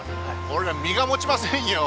俺ら身が持ちませんよ。